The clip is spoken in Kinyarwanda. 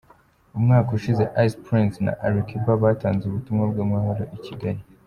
Umwaka ushize Ice Prince na Ali Kiba batanze ubutumwa bw'amahoro i Kigali.